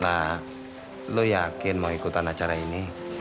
lu yakin mau ikutan acara ini